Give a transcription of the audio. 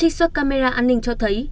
trích xuất camera an ninh cho thấy